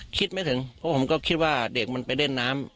คิดไม่ถึงเพราะผมก็คิดว่าเด็กมันไปเล่นน้ำ